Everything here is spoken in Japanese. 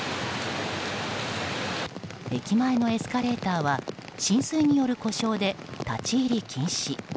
駅前のエスカレーターは浸水による故障で立ち入り禁止。